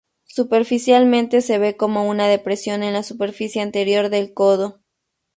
Superficialmente, se ve como una depresión en la superficie anterior del codo.